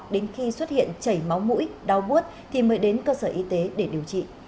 đến khi xuất hiện chảy máu mũi đau bút thì mới đến cơ sở y tế để điều trị